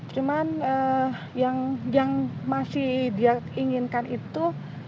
cuman yang masih dia inginkan itu